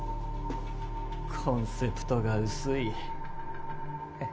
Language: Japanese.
コンセプトが薄い？